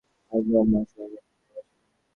এক অঘ্রান মাস–কিন্তু তাতেও গোল আছে।